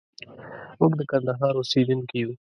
موږ د کندهار اوسېدونکي يو.